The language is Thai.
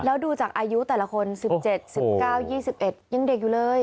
แล้วดูจากอายุแต่ละคน๑๗๑๙๒๑ยังเด็กอยู่เลย